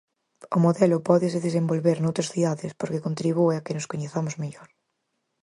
O modelo pódese desenvolver noutras cidades porque contribúe a que nos coñezamos mellor.